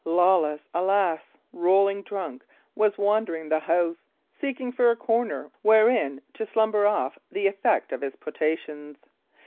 Lawless, alas! rolling drunk, was wandering the house, seeking for a corner wherein to slumber off the effect of his potations.